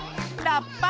ラッパ。